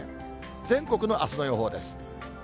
全国のあすの予報です。